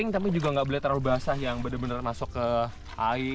tapi untuk saya yang belum pernah